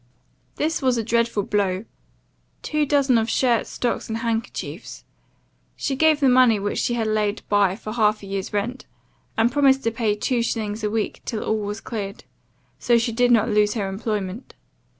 "This was a dreadful blow; two dozen of shirts, stocks and handkerchiefs. She gave the money which she had laid by for half a year's rent, and promised to pay two shillings a week till all was cleared; so she did not lose her employment.